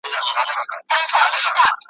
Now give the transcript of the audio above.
که دا مېنه د « امان » وه د تیارو لمن ټولیږي `